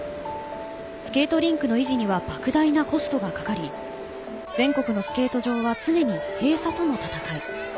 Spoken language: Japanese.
スケートリンクの維持には莫大なコストがかかり全国のスケート場は常に閉鎖との戦い。